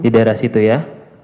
di daerah situ ya